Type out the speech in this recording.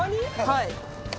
はい。